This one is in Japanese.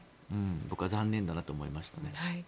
だから残念だなと思いましたね。